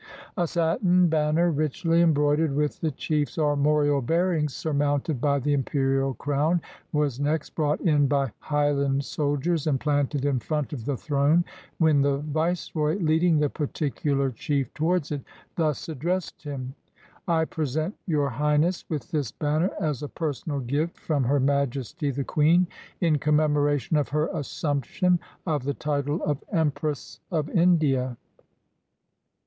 A satin banner, richly embroi dered with the chief's armorial bearings surmounted by the imperial crown, was next brought in by Highland soldiers and planted in front of the throne, when the Viceroy, leading the particular chief towards it, thus addressed him: "I present Your Highness with this banner as a personal gift from Her Majesty the Queen, in commemoration of her assumption of the title of Empress of India.